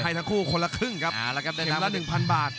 ให้ทั้งคู่คนละครึ่งครับเข็มละ๑๐๐๐บาท